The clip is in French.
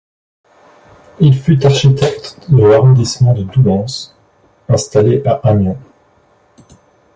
Il fut architecte de l’arrondissement de Doullens, installé à Amiens.